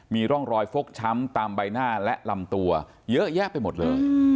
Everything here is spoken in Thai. มีร่องรอยฟกช้ำตามใบหน้าและลำตัวเยอะแยะไปหมดเลย